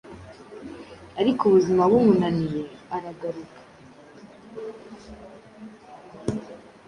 ariko ubuzima bumunaniye aragaruka.